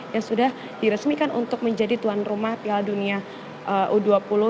yang sudah diresmikan untuk menjadi tuan rumah piala dunia u dua puluh